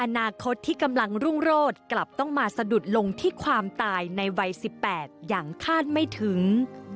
อนาคตที่กำลังรุ่งโรศกลับต้องมาสะดุดลงที่ความตายในวัย๑๘อย่างคาดไม่ถึง